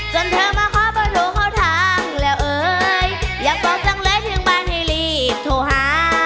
เธอมาขอเบอร์โทรเข้าทางแล้วเอ่ยอยากบอกจังเลยถึงบ้านให้รีบโทรหา